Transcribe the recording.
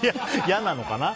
嫌なのかな？